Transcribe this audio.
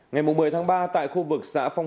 ngày một mươi tháng ba tại khu vực xã phong